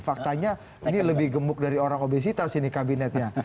faktanya ini lebih gemuk dari orang obesitas ini kabinetnya